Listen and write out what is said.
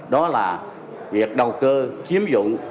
đó là việc đầu cơ chiếm dụng